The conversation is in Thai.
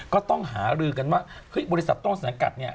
ก็ต้องหารือกันว่าเฮ้ยบริษัทต้นสังกัดเนี่ย